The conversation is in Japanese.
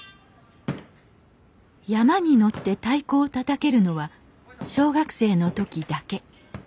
山車に乗って太鼓をたたけるのは小学生の時だけ。